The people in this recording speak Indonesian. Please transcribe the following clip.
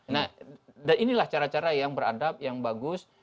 nah dan inilah cara cara yang beradab yang bagus